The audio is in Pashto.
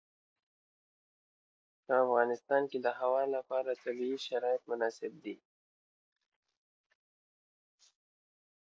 په افغانستان کې د هوا لپاره طبیعي شرایط مناسب دي.